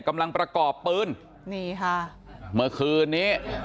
กำลังประกอบปืนนี่ค่ะเมื่อคืนนี้